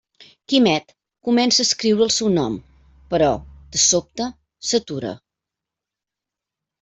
Quimet comença a escriure el seu nom, però, de sobte, s'atura.